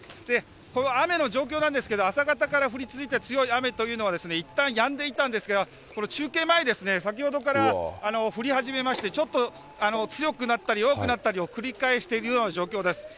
この雨の状況なんですけど、朝方から降り続いた強い雨というのはいったんやんでいたんですが、この中継前、先ほどから降り初めまして、ちょっと強くなったり弱くなったりを繰り返しているような状況です。